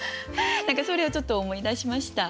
何かそれをちょっと思い出しました。